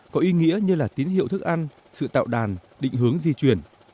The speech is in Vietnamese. có ý nghĩa như là tín hiệu thức ăn sự tạo đàn định hướng di chuyển